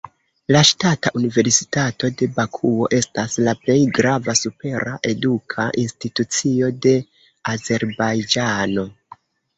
La Ŝtata Universitato de Bakuo estas la plej grava supera eduka institucio de Azerbajĝano.